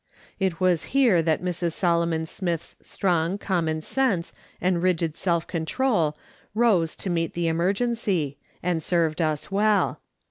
It was here that Mrs. Solomon Smith's strong common sense and rigid self control rose to meet the emer gency, and served us well.